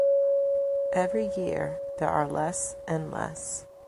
Every year there are less and less.